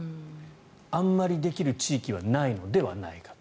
あんまり、できる地域はないのではないかと。